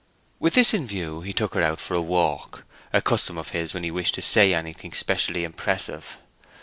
With this in view he took her out for a walk, a custom of his when he wished to say anything specially impressive.